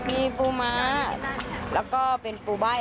มีปูม้าแล้วก็เป็นปูใบ้